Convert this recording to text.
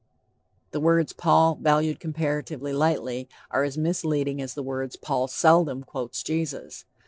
The words "Paul valued comparatively lightly" are as misleading as the words "Paul seldom quotes Jesus."